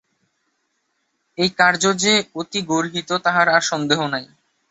এই কার্য যে অতি গর্হিত তাহার আর সন্দেহ নাই।